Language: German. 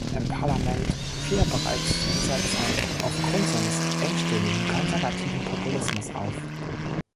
Im Parlament fiel er bereits zu dieser Zeit aufgrund seines „engstirnigen konservativen Populismus“ auf.